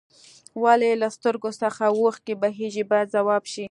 ولې له سترګو څخه اوښکې بهیږي باید ځواب شي.